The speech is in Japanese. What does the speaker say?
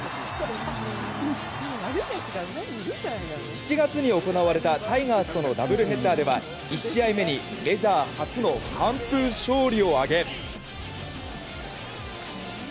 ７月に行われた、タイガースとのダブルヘッダーでは１試合目にメジャー初の完封勝利を挙げ。